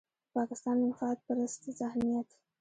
د پاکستان منفعت پرست ذهنيت.